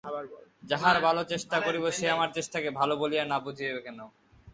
যাহার ভালোর চেষ্টা করিব, সে আমার চেষ্টাকে ভালো বলিয়া না বুঝিবে কেন।